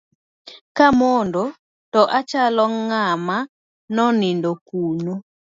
Ka amondo to achalo ng'ama nonindo kuno.